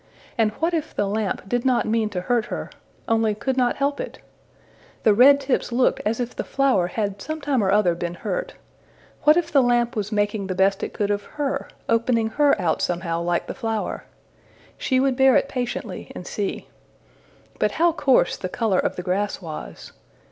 And what if the lamp did not mean to hurt her, only could not help it? The red tips looked as if the flower had some time or other been hurt: what if the lamp was making the best it could of her opening her out somehow like the flower? She would bear it patiently, and see. But how coarse the color of the grass was!